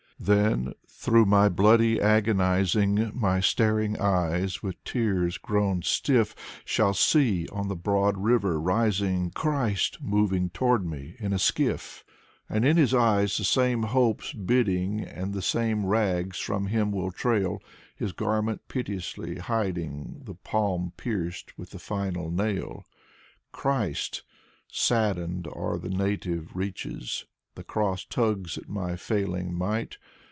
Then through my bloody agonizing My staring eyes, with tears grown stiff, Shall see on the broad river rising Christ moving toward me in a skiff. And in his eyes the same hopes biding. And the same rags from him will trail. His garment piteously hiding The palm pierced with the final nail. Christ! Saddened are the native reaches. The cross tugs at my failing might.